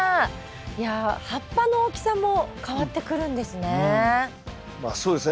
いや葉っぱの大きさも変わってくるんですね。